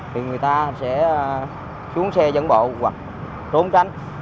thì người ta sẽ xuống xe dẫn bộ hoặc trốn tránh